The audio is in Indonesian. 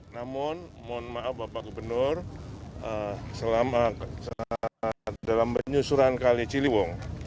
namun mohon maaf bapak gubernur dalam penyusuran kali ciliwung